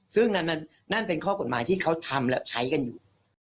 ซึ่งนั่นเป็นข้อกฎหมายที่เขาทำแล้วใช้กันอยู่